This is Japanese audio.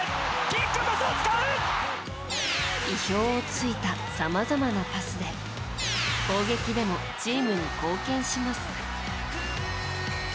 意表を突いたさまざまなパスで攻撃でもチームに貢献します。